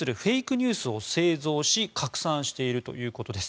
ニュースを製造し拡散しているということです。